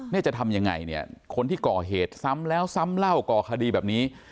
จะทำยังไงเนี่ยคนที่ก่อเหตุซ้ำแล้วซ้ำเล่าก่อคดีแบบนี้